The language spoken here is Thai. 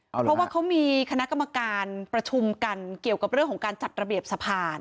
เพราะว่าเขามีคณะกรรมการประชุมกันเกี่ยวกับเรื่องของการจัดระเบียบสะพาน